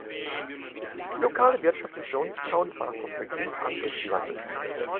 Die lokale Wirtschaft in Jonestown war von Beginn an durch die Landwirtschaft geprägt.